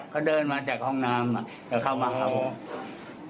เขาเดินมาจากห้องน้ำเราก็เข้ามาภูมิ